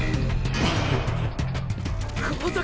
後続！！